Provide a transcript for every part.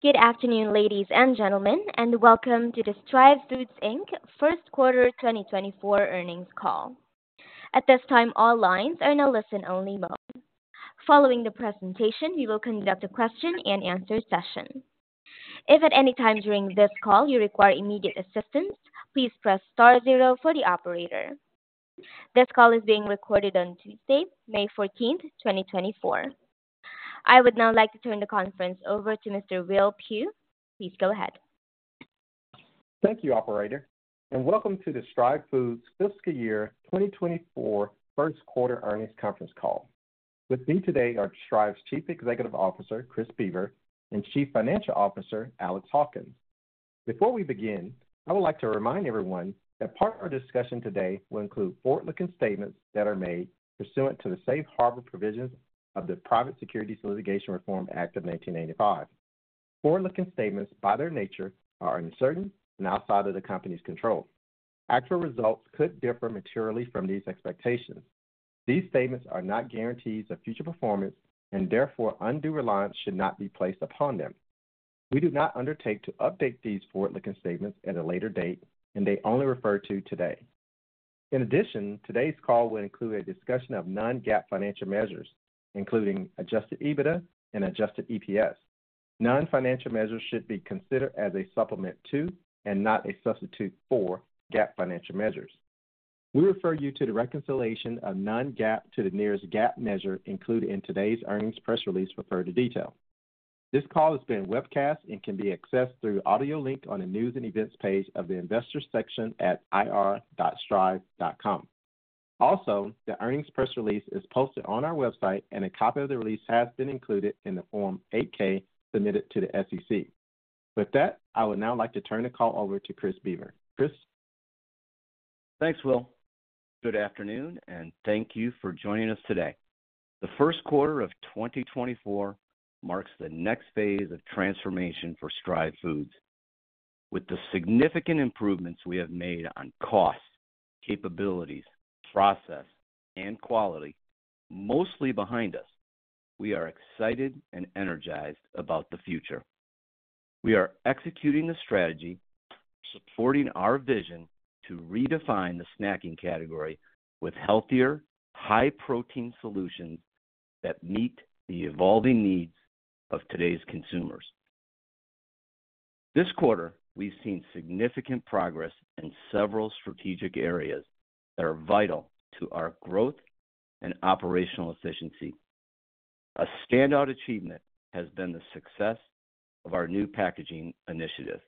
Good afternoon, ladies and gentlemen, and welcome to the Stryve Foods, Inc. Q1 2024 earnings call. At this time, all lines are in a listen-only mode. Following the presentation, we will conduct a question-and-answer session. If at any time during this call you require immediate assistance, please press star 0 for the operator. This call is being recorded on Tuesday, May 14, 2024. I would now like to turn the conference over to Mr. Will Pugh. Please go ahead. Thank you, operator, and welcome to the Stryve Foods fiscal year 2024 Q1 earnings conference call. With me today are Stryve's Chief Executive Officer, Chris Boever, and Chief Financial Officer, Alex Hawkins. Before we begin, I would like to remind everyone that part of our discussion today will include forward-looking statements that are made pursuant to the Safe Harbor provisions of the Private Securities Litigation Reform Act of 1985. Forward-looking statements, by their nature, are uncertain and outside of the company's control. Actual results could differ materially from these expectations. These statements are not guarantees of future performance, and therefore undue reliance should not be placed upon them. We do not undertake to update these forward-looking statements at a later date, and they only refer to today. In addition, today's call will include a discussion of non-GAAP financial measures, including Adjusted EBITDA and Adjusted EPS. Non-financial measures should be considered as a supplement to and not a substitute for GAAP financial measures. We refer you to the reconciliation of non-GAAP to the nearest GAAP measure included in today's earnings press release for further detail. This call has been webcast and can be accessed through audio link on the news and events page of the investors section at ir.stryve.com. Also, the earnings press release is posted on our website, and a copy of the release has been included in the Form 8-K submitted to the SEC. With that, I would now like to turn the call over to Chris Boever. Chris? Thanks, Will. Good afternoon, and thank you for joining us today. The Q1 of 2024 marks the next phase of transformation for Stryve Foods. With the significant improvements we have made on cost, capabilities, process, and quality mostly behind us, we are excited and energized about the future. We are executing the strategy, supporting our vision to redefine the snacking category with healthier, high-protein solutions that meet the evolving needs of today's consumers. This quarter, we've seen significant progress in several strategic areas that are vital to our growth and operational efficiency. A standout achievement has been the success of our new packaging initiative,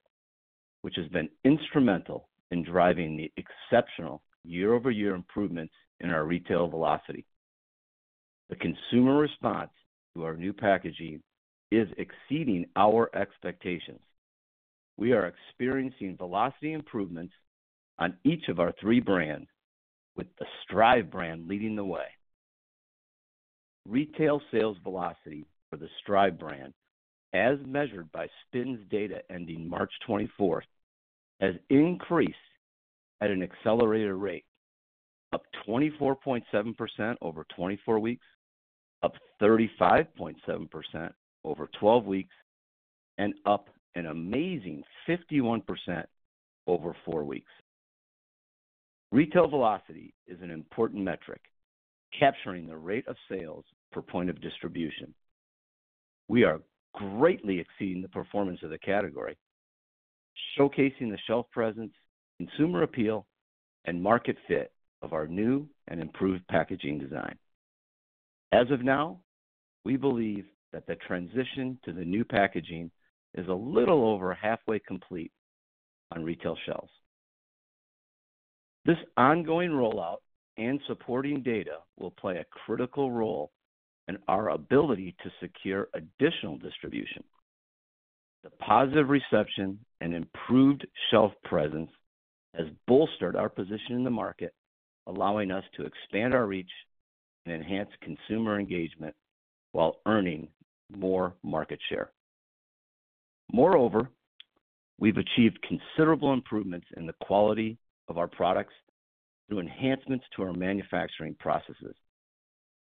which has been instrumental in driving the exceptional year-over-year improvements in our retail velocity. The consumer response to our new packaging is exceeding our expectations. We are experiencing velocity improvements on each of our three brands, with the Stryve brand leading the way. Retail sales velocity for the Stryve brand, as measured by SPINS data ending March 24, has increased at an accelerated rate of 24.7% over 24 weeks, up 35.7% over 12 weeks, and up an amazing 51% over 4 weeks. Retail velocity is an important metric, capturing the rate of sales per point of distribution. We are greatly exceeding the performance of the category, showcasing the shelf presence, consumer appeal, and market fit of our new and improved packaging design. As of now, we believe that the transition to the new packaging is a little over halfway complete on retail shelves. This ongoing rollout and supporting data will play a critical role in our ability to secure additional distribution. The positive reception and improved shelf presence has bolstered our position in the market, allowing us to expand our reach and enhance consumer engagement while earning more market share. Moreover, we've achieved considerable improvements in the quality of our products through enhancements to our manufacturing processes.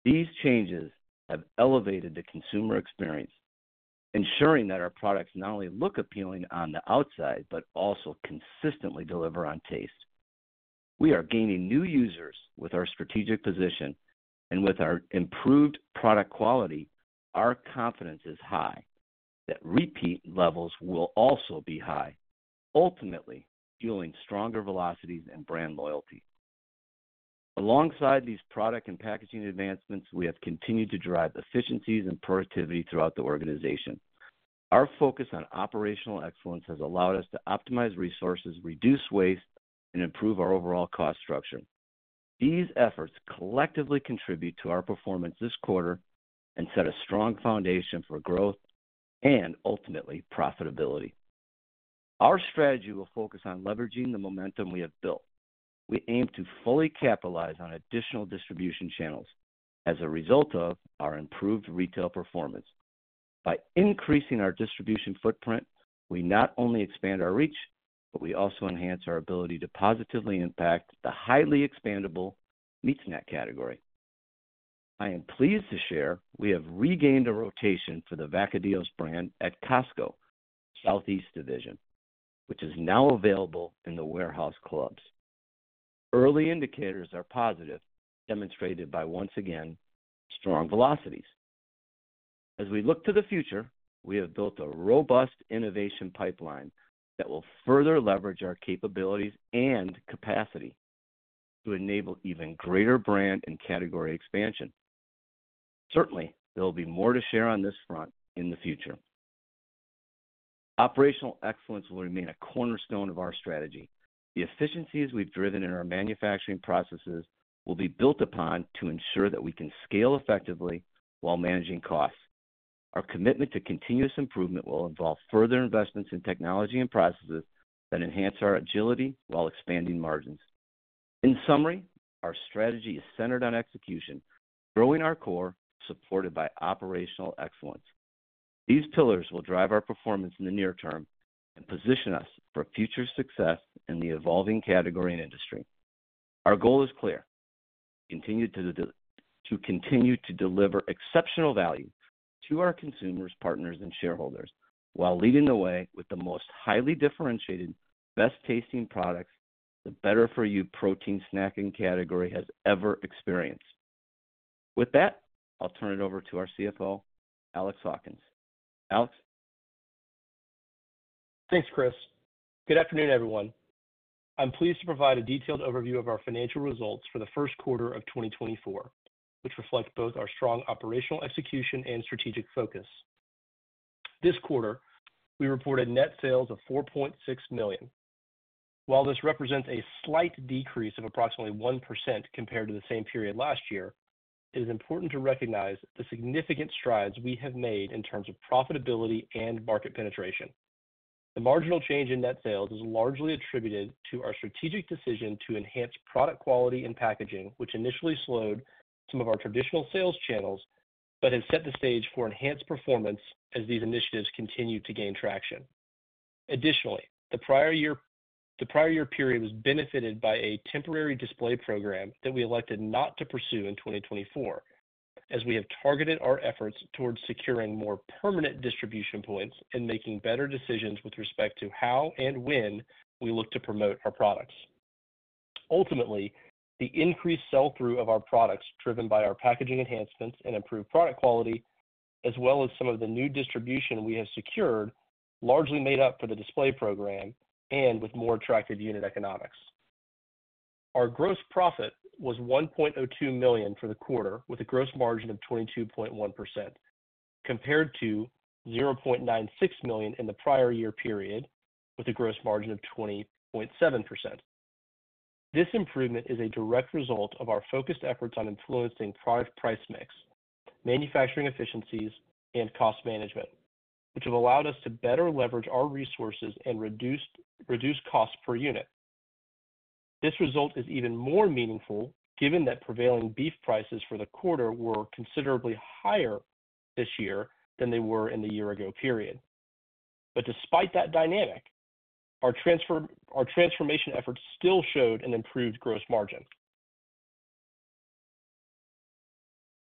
These changes have elevated the consumer experience, ensuring that our products not only look appealing on the outside but also consistently deliver on taste. We are gaining new users with our strategic position, and with our improved product quality, our confidence is high that repeat levels will also be high, ultimately fueling stronger velocities and brand loyalty. Alongside these product and packaging advancements, we have continued to drive efficiencies and productivity throughout the organization. Our focus on operational excellence has allowed us to optimize resources, reduce waste, and improve our overall cost structure. These efforts collectively contribute to our performance this quarter and set a strong foundation for growth and, ultimately, profitability. Our strategy will focus on leveraging the momentum we have built. We aim to fully capitalize on additional distribution channels as a result of our improved retail performance. By increasing our distribution footprint, we not only expand our reach, but we also enhance our ability to positively impact the highly expandable meat snack category. I am pleased to share we have regained a rotation for the Vacadillos brand at Costco, Southeast Division, which is now available in the warehouse clubs. Early indicators are positive, demonstrated by, once again, strong velocities. As we look to the future, we have built a robust innovation pipeline that will further leverage our capabilities and capacity to enable even greater brand and category expansion. Certainly, there will be more to share on this front in the future. Operational excellence will remain a cornerstone of our strategy. The efficiencies we've driven in our manufacturing processes will be built upon to ensure that we can scale effectively while managing costs. Our commitment to continuous improvement will involve further investments in technology and processes that enhance our agility while expanding margins. In summary, our strategy is centered on execution, growing our core, supported by operational excellence. These pillars will drive our performance in the near term and position us for future success in the evolving category and industry. Our goal is clear: to continue to deliver exceptional value to our consumers, partners, and shareholders while leading the way with the most highly differentiated, best-tasting products the better-for-you protein snacking category has ever experienced. With that, I'll turn it over to our CFO, Alex Hawkins. Alex? Thanks, Chris. Good afternoon, everyone. I'm pleased to provide a detailed overview of our financial results for the Q1 of 2024, which reflect both our strong operational execution and strategic focus. This quarter, we reported net sales of $4.6 million. While this represents a slight decrease of approximately 1% compared to the same period last year, it is important to recognize the significant strides we have made in terms of profitability and market penetration. The marginal change in net sales is largely attributed to our strategic decision to enhance product quality and packaging, which initially slowed some of our traditional sales channels but has set the stage for enhanced performance as these initiatives continue to gain traction. Additionally, the prior year period was benefited by a temporary display program that we elected not to pursue in 2024, as we have targeted our efforts towards securing more permanent distribution points and making better decisions with respect to how and when we look to promote our products. Ultimately, the increased sell-through of our products driven by our packaging enhancements and improved product quality, as well as some of the new distribution we have secured, largely made up for the display program and with more attractive unit economics. Our gross profit was $1.02 million for the quarter, with a gross margin of 22.1%, compared to $0.96 million in the prior year period with a gross margin of 20.7%. This improvement is a direct result of our focused efforts on influencing product price mix, manufacturing efficiencies, and cost management, which have allowed us to better leverage our resources and reduce costs per unit. This result is even more meaningful given that prevailing beef prices for the quarter were considerably higher this year than they were in the year-ago period. But despite that dynamic, our transformation efforts still showed an improved gross margin.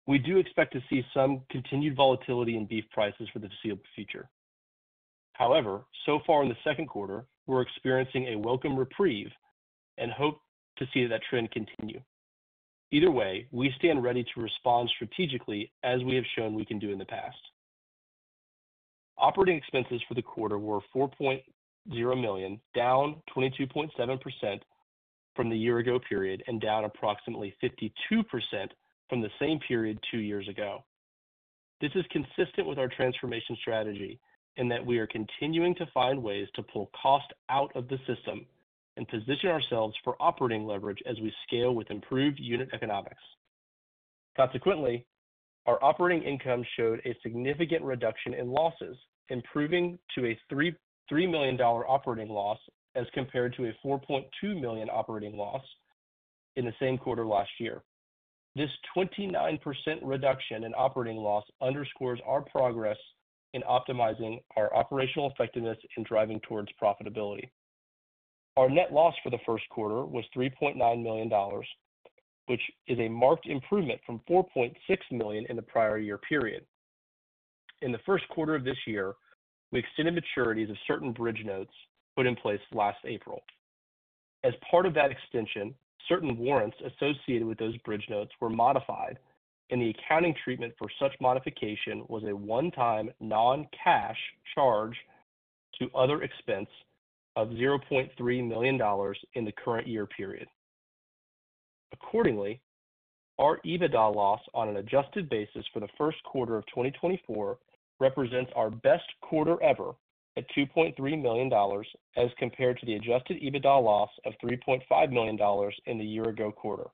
We do expect to see some continued volatility in beef prices for the foreseeable future. However, so far in the Q2, we're experiencing a welcome reprieve and hope to see that trend continue. Either way, we stand ready to respond strategically as we have shown we can do in the past. Operating expenses for the quarter were $4.0 million, down 22.7% from the year-ago period and down approximately 52% from the same period two years ago. This is consistent with our transformation strategy in that we are continuing to find ways to pull cost out of the system and position ourselves for operating leverage as we scale with improved unit economics. Consequently, our operating income showed a significant reduction in losses, improving to a $3 million operating loss as compared to a $4.2 million operating loss in the same quarter last year. This 29% reduction in operating loss underscores our progress in optimizing our operational effectiveness and driving towards profitability. Our net loss for the Q1 was $3.9 million, which is a marked improvement from $4.6 million in the prior year period. In the Q1 of this year, we extended maturities of certain bridge notes put in place last April. As part of that extension, certain warrants associated with those bridge notes were modified, and the accounting treatment for such modification was a one-time non-cash charge to other expense of $0.3 million in the current year period. Accordingly, our EBITDA loss on an adjusted basis for the Q1 of 2024 represents our best quarter ever at $2.3 million as compared to the adjusted EBITDA loss of $3.5 million in the year-ago quarter.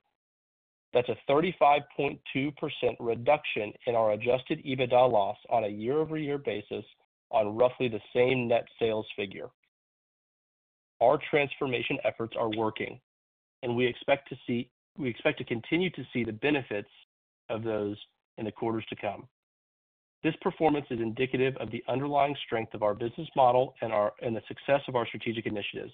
That's a 35.2% reduction in our adjusted EBITDA loss on a year-over-year basis on roughly the same net sales figure. Our transformation efforts are working, and we expect to continue to see the benefits of those in the quarters to come. This performance is indicative of the underlying strength of our business model and the success of our strategic initiatives.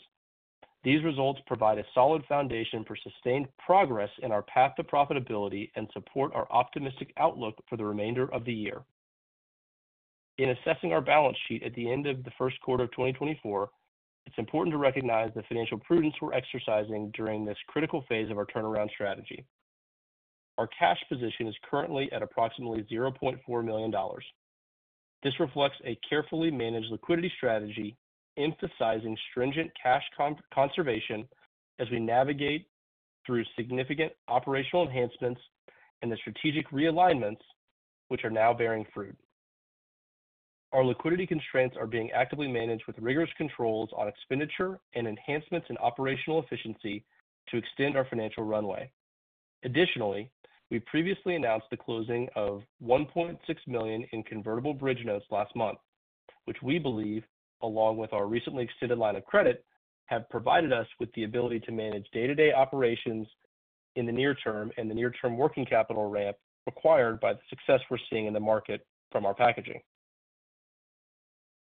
These results provide a solid foundation for sustained progress in our path to profitability and support our optimistic outlook for the remainder of the year. In assessing our balance sheet at the end of the Q1 of 2024, it's important to recognize the financial prudence we're exercising during this critical phase of our turnaround strategy. Our cash position is currently at approximately $0.4 million. This reflects a carefully managed liquidity strategy, emphasizing stringent cash conservation as we navigate through significant operational enhancements and the strategic realignments, which are now bearing fruit. Our liquidity constraints are being actively managed with rigorous controls on expenditure and enhancements in operational efficiency to extend our financial runway. Additionally, we previously announced the closing of $1.6 million in convertible bridge notes last month, which we believe, along with our recently extended line of credit, have provided us with the ability to manage day-to-day operations in the near term and the near-term working capital ramp required by the success we're seeing in the market from our packaging.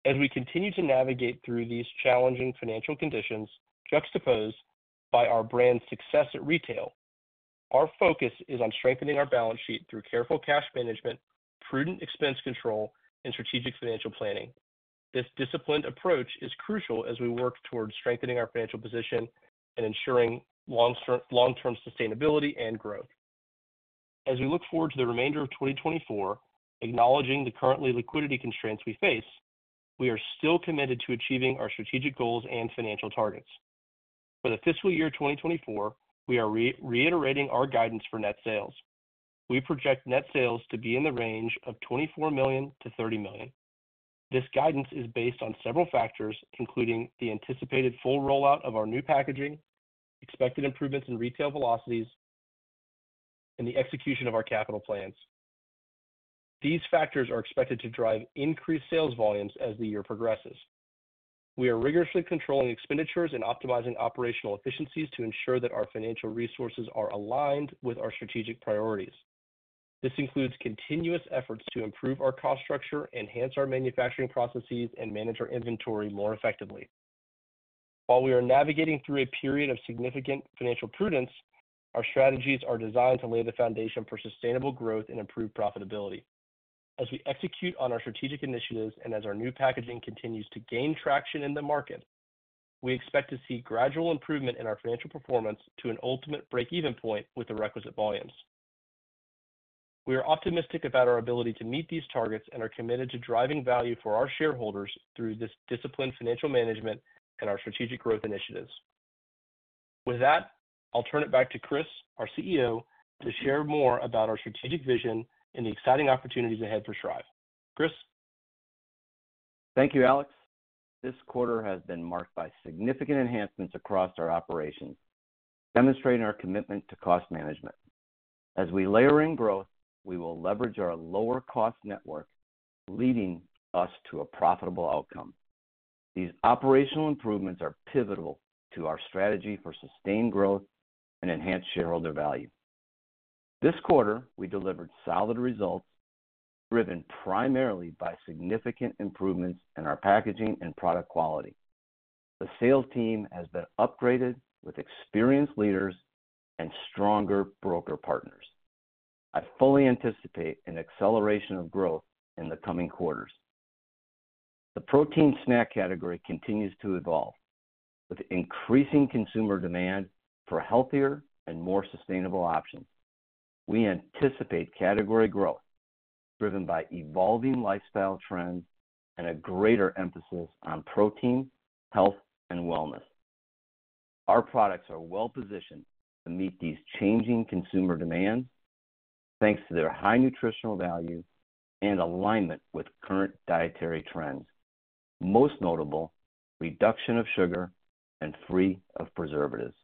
As we continue to navigate through these challenging financial conditions juxtaposed by our brand's success at retail, our focus is on strengthening our balance sheet through careful cash management, prudent expense control, and strategic financial planning. This disciplined approach is crucial as we work towards strengthening our financial position and ensuring long-term sustainability and growth. As we look forward to the remainder of 2024, acknowledging the current liquidity constraints we face, we are still committed to achieving our strategic goals and financial targets. For the fiscal year 2024, we are reiterating our guidance for net sales. We project net sales to be in the range of $24 million-$30 million. This guidance is based on several factors, including the anticipated full rollout of our new packaging, expected improvements in retail velocities, and the execution of our capital plans. These factors are expected to drive increased sales volumes as the year progresses. We are rigorously controlling expenditures and optimizing operational efficiencies to ensure that our financial resources are aligned with our strategic priorities. This includes continuous efforts to improve our cost structure, enhance our manufacturing processes, and manage our inventory more effectively. While we are navigating through a period of significant financial prudence, our strategies are designed to lay the foundation for sustainable growth and improved profitability. As we execute on our strategic initiatives and as our new packaging continues to gain traction in the market, we expect to see gradual improvement in our financial performance to an ultimate break-even point with the requisite volumes. We are optimistic about our ability to meet these targets and are committed to driving value for our shareholders through this disciplined financial management and our strategic growth initiatives. With that, I'll turn it back to Chris, our CEO, to share more about our strategic vision and the exciting opportunities ahead for Stryve. Chris? Thank you, Alex. This quarter has been marked by significant enhancements across our operations, demonstrating our commitment to cost management. As we layer in growth, we will leverage our lower-cost network, leading us to a profitable outcome. These operational improvements are pivotal to our strategy for sustained growth and enhanced shareholder value. This quarter, we delivered solid results, driven primarily by significant improvements in our packaging and product quality. The sales team has been upgraded with experienced leaders and stronger broker partners. I fully anticipate an acceleration of growth in the coming quarters. The protein snack category continues to evolve, with increasing consumer demand for healthier and more sustainable options. We anticipate category growth, driven by evolving lifestyle trends and a greater emphasis on protein, health, and wellness. Our products are well-positioned to meet these changing consumer demands thanks to their high nutritional value and alignment with current dietary trends, most notable reduction of sugar and free of preservatives.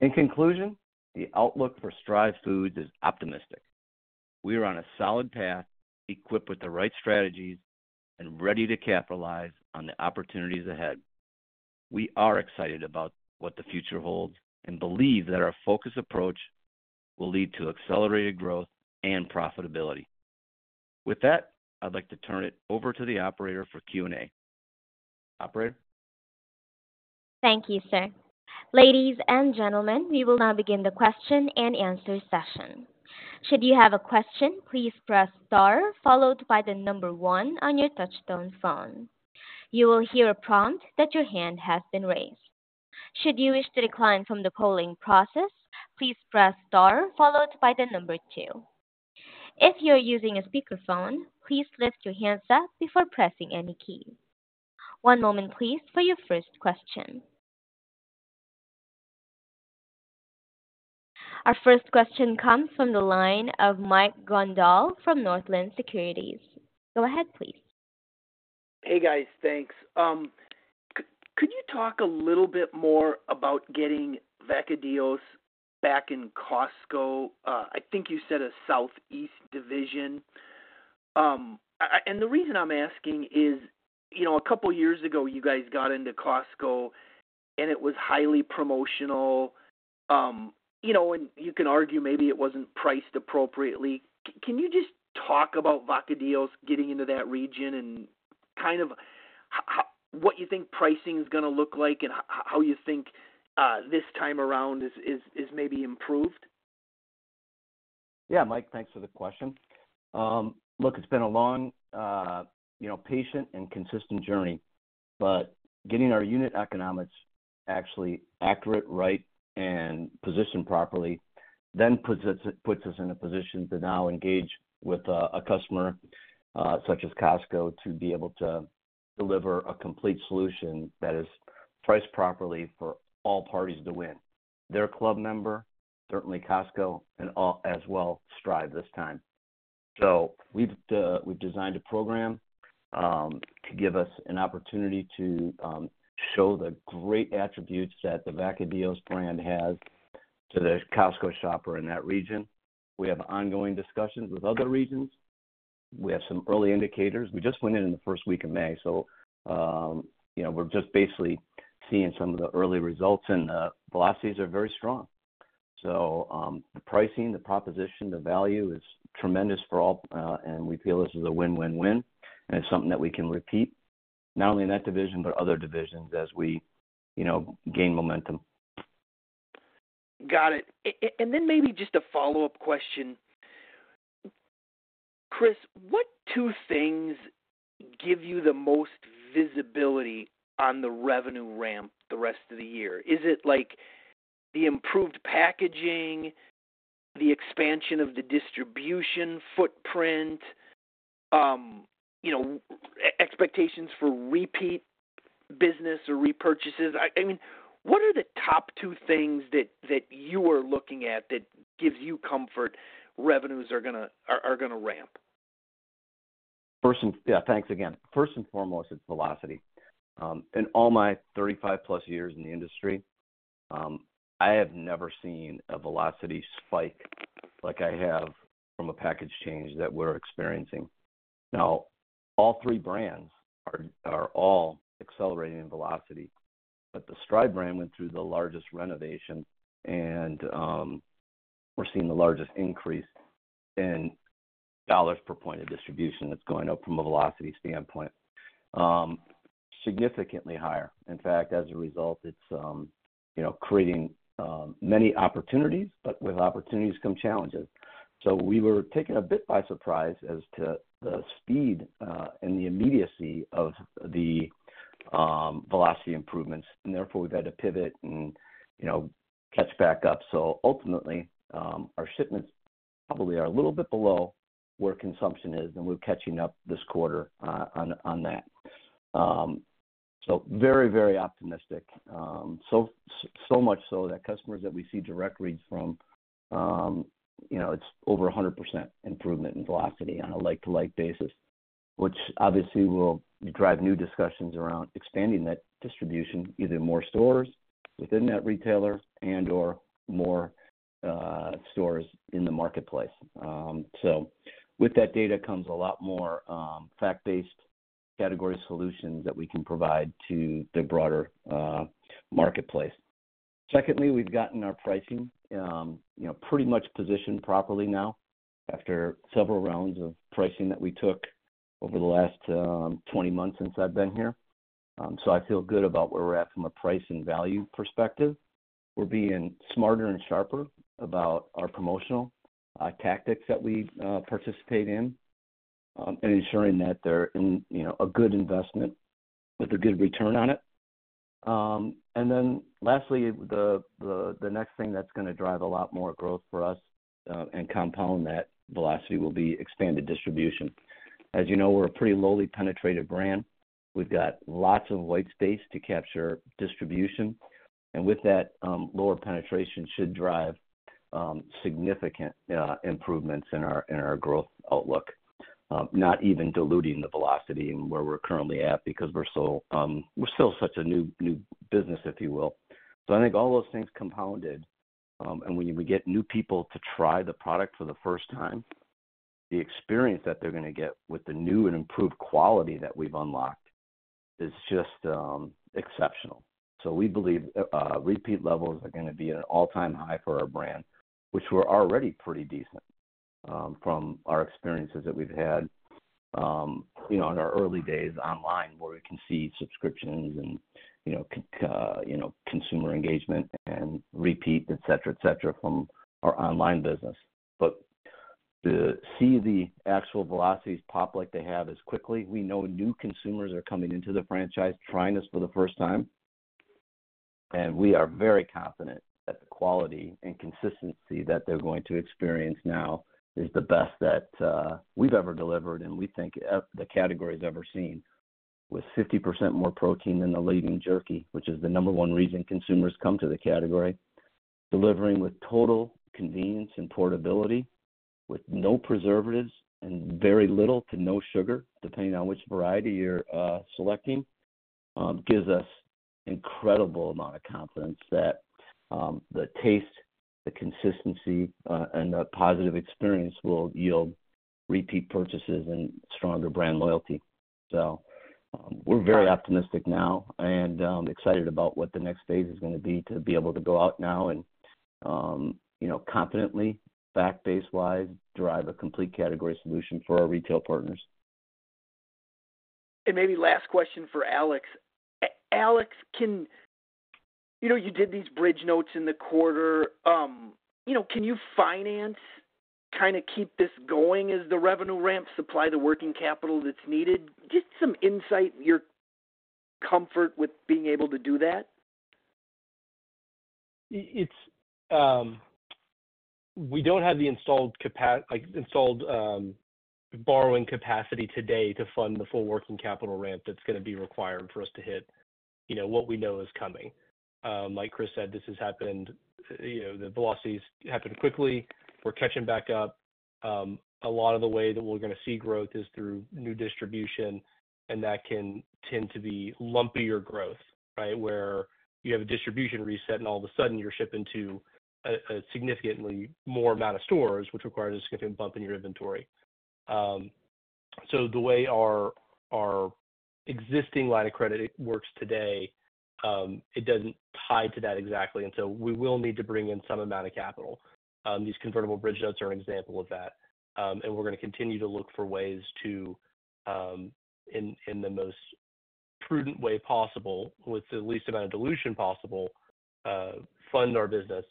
In conclusion, the outlook for Stryve Foods is optimistic. We are on a solid path, equipped with the right strategies, and ready to capitalize on the opportunities ahead. We are excited about what the future holds and believe that our focused approach will lead to accelerated growth and profitability. With that, I'd like to turn it over to the operator for Q&A. Operator? Thank you, sir. Ladies and gentlemen, we will now begin the question and answer session. Should you have a question, please press * followed by the number 1 on your touch-tone phone. You will hear a prompt that your hand has been raised. Should you wish to decline from the polling process, please press * followed by the number 2. If you're using a speakerphone, please lift your hands up before pressing any key. One moment, please, for your first question. Our first question comes from the line of Mike Grondahl from Northland Securities. Go ahead, please. Hey guys, thanks. Could you talk a little bit more about getting Vacadillos back in Costco? I think you said a Southeast Division. And the reason I'm asking is, you know, a couple years ago you guys got into Costco and it was highly promotional. You know, and you can argue maybe it wasn't priced appropriately. Can you just talk about Vacadillos getting into that region and kind of what you think pricing's going to look like and how you think this time around is maybe improved? Yeah, Mike, thanks for the question. Look, it's been a long, you know, patient and consistent journey. But getting our unit economics actually accurate, right, and positioned properly then puts us in a position to now engage with a customer such as Costco to be able to deliver a complete solution that is priced properly for all parties to win. They're a club member, certainly Costco, and as well Stryve this time. So we've designed a program to give us an opportunity to show the great attributes that the Vacadillos brand has to the Costco shopper in that region. We have ongoing discussions with other regions. We have some early indicators. We just went in in the first week of May, so, you know, we're just basically seeing some of the early results and the velocities are very strong. The pricing, the proposition, the value is tremendous for all, and we feel this is a win, win, win, and it's something that we can repeat, not only in that division but other divisions as we, you know, gain momentum. Got it. And then maybe just a follow-up question. Chris, what two things give you the most visibility on the revenue ramp the rest of the year? Is it, like, the improved packaging, the expansion of the distribution footprint, you know, expectations for repeat business or repurchases? I mean, what are the top two things that you are looking at that gives you comfort revenues are going to ramp? First and yeah, thanks again. First and foremost, it's velocity. In all my 35+ years in the industry, I have never seen a velocity spike like I have from a package change that we're experiencing. Now, all three brands are all accelerating in velocity, but the Stryve brand went through the largest renovation and, we're seeing the largest increase in dollars per point of distribution that's going up from a velocity standpoint, significantly higher. In fact, as a result, it's, you know, creating, many opportunities, but with opportunities come challenges. So we were taken a bit by surprise as to the speed, and the immediacy of the, velocity improvements, and therefore we've had to pivot and, you know, catch back up. So ultimately, our shipments probably are a little bit below where consumption is, and we're catching up this quarter, on that. So very, very optimistic, so much so that customers that we see direct reads from, you know, it's over 100% improvement in velocity on a like-to-like basis, which obviously will drive new discussions around expanding that distribution, either more stores within that retailer and/or more stores in the marketplace. So with that data comes a lot more fact-based category solutions that we can provide to the broader marketplace. Secondly, we've gotten our pricing, you know, pretty much positioned properly now after several rounds of pricing that we took over the last 20 months since I've been here. So I feel good about where we're at from a price and value perspective. We're being smarter and sharper about our promotional tactics that we participate in, and ensuring that they're in, you know, a good investment with a good return on it. And then lastly, the next thing that's going to drive a lot more growth for us, and compound that velocity will be expanded distribution. As you know, we're a pretty lowly penetrated brand. We've got lots of white space to capture distribution, and with that, lower penetration should drive significant improvements in our growth outlook, not even diluting the velocity and where we're currently at because we're still, we're still such a new, new business, if you will. So I think all those things compounded, and when we get new people to try the product for the first time, the experience that they're going to get with the new and improved quality that we've unlocked is just exceptional. So we believe repeat levels are going to be at an all-time high for our brand, which we're already pretty decent, from our experiences that we've had, you know, in our early days online where we can see subscriptions and, you know, you know, consumer engagement and repeat, etc., etc., from our online business. But to see the actual velocities pop like they have as quickly, we know new consumers are coming into the franchise, trying us for the first time, and we are very confident that the quality and consistency that they're going to experience now is the best that we've ever delivered and we think the category's ever seen, with 50% more protein than the leading jerky, which is the number one reason consumers come to the category. Delivering with total convenience and portability, with no preservatives and very little to no sugar, depending on which variety you're selecting, gives us an incredible amount of confidence that the taste, the consistency, and the positive experience will yield repeat purchases and stronger brand loyalty. So, we're very optimistic now and excited about what the next phase is going to be to be able to go out now and, you know, confidently, fact-base-wise, drive a complete category solution for our retail partners. Maybe last question for Alex. Alex, can you know, you did these bridge notes in the quarter. You know, can you finance, kind of keep this going as the revenue ramps, supply the working capital that's needed? Just some insight, your comfort with being able to do that. It's, we don't have the installed capacity, like, installed borrowing capacity today to fund the full working capital ramp that's going to be required for us to hit, you know, what we know is coming. Like Chris said, this has happened, you know, the velocities happened quickly. We're catching back up. A lot of the way that we're going to see growth is through new distribution, and that can tend to be lumpier growth, right, where you have a distribution reset and all of a sudden you're shipping to a significantly more amount of stores, which requires a significant bump in your inventory. So the way our existing line of credit works today, it doesn't tie to that exactly, and so we will need to bring in some amount of capital. These convertible bridge notes are an example of that. And we're going to continue to look for ways to, in the most prudent way possible, with the least amount of dilution possible, fund our business,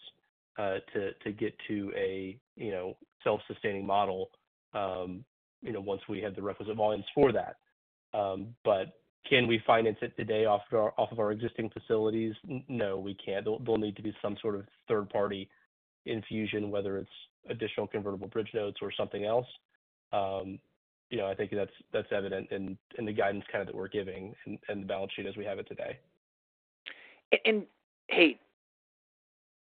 to get to a, you know, self-sustaining model, you know, once we have the requisite volumes for that. But can we finance it today off of our existing facilities? No, we can't. There'll need to be some sort of third-party infusion, whether it's additional convertible bridge notes or something else. You know, I think that's evident in the guidance kind of that we're giving and the balance sheet as we have it today. Hey,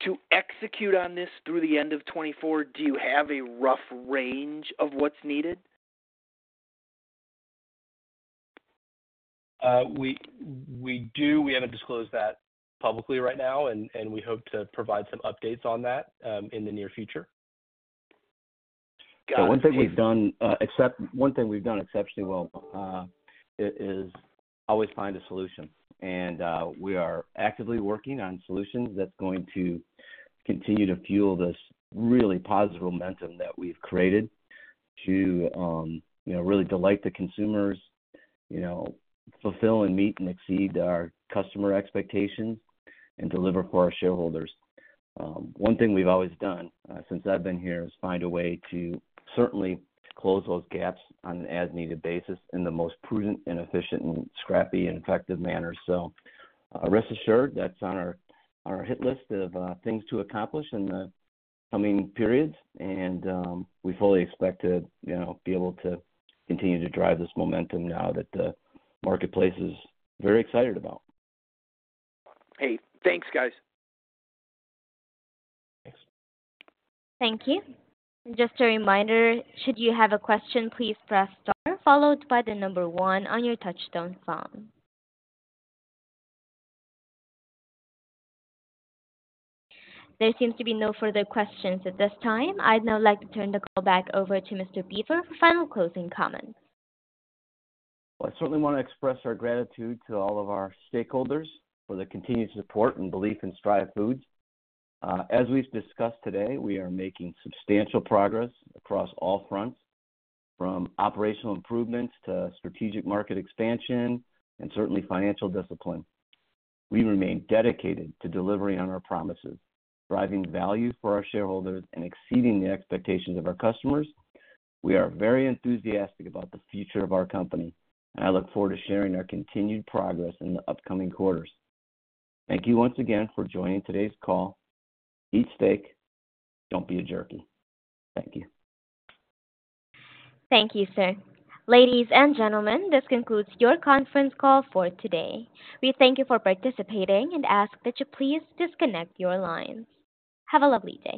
to execute on this through the end of 2024, do you have a rough range of what's needed? We do. We haven't disclosed that publicly right now, and we hope to provide some updates on that in the near future. Got it. So one thing we've done exceptionally well is always find a solution. We are actively working on solutions that's going to continue to fuel this really positive momentum that we've created to, you know, really delight the consumers, you know, fulfill and meet and exceed our customer expectations and deliver for our shareholders. One thing we've always done, since I've been here, is find a way to certainly close those gaps on an as-needed basis in the most prudent and efficient and scrappy and effective manner. Rest assured, that's on our hit list of things to accomplish in the coming periods, and we fully expect to, you know, be able to continue to drive this momentum now that the marketplace is very excited about. Hey, thanks, guys. Thanks. Thank you. Just a reminder, should you have a question, please press * followed by the number 1 on your touch-tone phone. There seems to be no further questions at this time. I'd now like to turn the call back over to Mr. Boever for final closing comments. Well, I certainly want to express our gratitude to all of our stakeholders for the continued support and belief in Stryve Foods. As we've discussed today, we are making substantial progress across all fronts, from operational improvements to strategic market expansion and certainly financial discipline. We remain dedicated to delivering on our promises, driving value for our shareholders and exceeding the expectations of our customers. We are very enthusiastic about the future of our company, and I look forward to sharing our continued progress in the upcoming quarters. Thank you once again for joining today's call. Eat steak. Don't be a jerky. Thank you. Thank you, sir. Ladies and gentlemen, this concludes your conference call for today. We thank you for participating and ask that you please disconnect your lines. Have a lovely day.